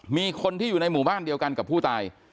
มีคนที่อยู่ในหมู่บ้านเดียวกันกับผู้ตาย